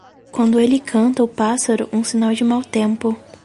Quando ele canta o pássaro, um sinal de mau tempo.